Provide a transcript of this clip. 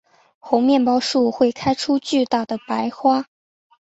猴面包树会开出巨大的白花。